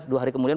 dua hari kemudian